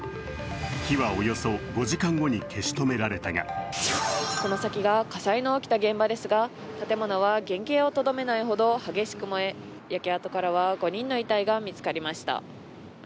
火はおよそ５時間後に消し止められたがこの先が火災の起きた現場ですが、建物は原形をとどめないほど激しく燃え焼け跡からは、５人の遺体が見つかりました。